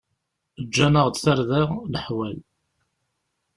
Ǧǧan-aɣ-d tarda leḥwal.